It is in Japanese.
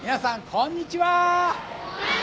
こんにちは！